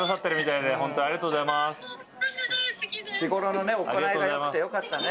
日頃の行いが善くてよかったね